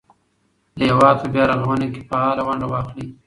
د هېواد په بیا رغونه کې فعاله ونډه واخلئ.